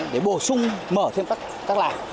để bổ sung mở thêm các làn